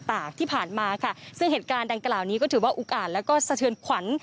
ตากที่ผ่านมาค่ะซึ่งเหตุการณ์ดังกล่าวนี้ก็ถือว่าอุกอ่านแล้วก็สะเทือนขวัญ